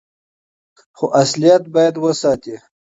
خو اصليت بايد وساتي.